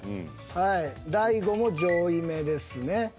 大悟も上位めですね。